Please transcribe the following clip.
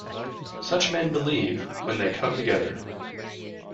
Such men believe, when they come together.